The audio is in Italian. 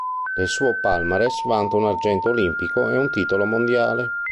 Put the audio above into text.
Nel suo palmarès vanta un argento olimpico e un titolo mondiale.